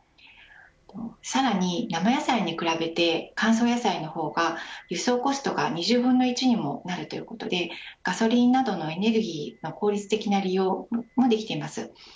さらに生野菜に比べて乾燥野菜の方が輸送コストが２０分の１にもなるということでガソリンなどのエネルギーの効率的な利用もできています。